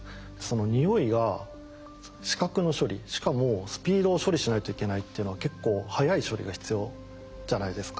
匂いが視覚の処理しかもスピードを処理しないといけないっていうのは結構速い処理が必要じゃないですか。